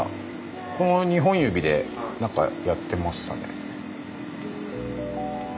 この２本指で何かやってましたね。